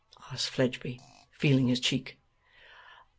asked Fledgeby, feeling his cheek.